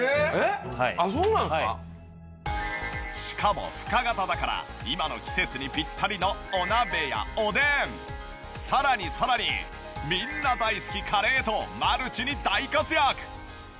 しかも深型だから今の季節にピッタリのお鍋やおでんさらにさらにみんな大好きカレーとマルチに大活躍！